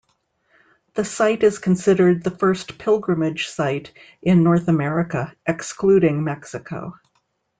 The site is considered the first pilgrimage site in North America, excluding Mexico.